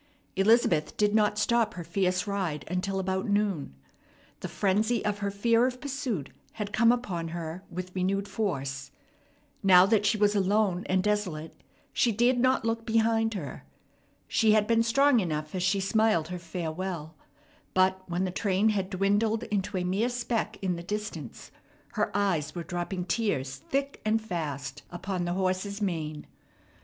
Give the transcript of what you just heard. Elizabeth did not stop her fierce ride until about noon. The frenzy of her fear of pursuit had come upon her with renewed force. Now that she was alone and desolate she dared not look behind her. She had been strong enough as she smiled her farewell; but, when the train had dwindled into a mere speck in the distance, her eyes were dropping tears thick and fast upon the horse's mane.